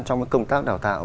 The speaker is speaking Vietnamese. trong công tác đào tạo